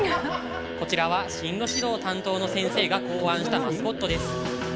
こちらは進路指導担当の先生が考案したマスコットです。